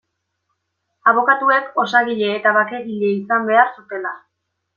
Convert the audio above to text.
Abokatuek osagile eta bakegile izan behar zutela.